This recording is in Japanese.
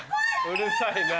うるさいな。